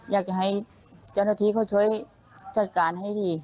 อยากจะให้เจ้าหน้าที่เขาช่วยจัดการให้ดี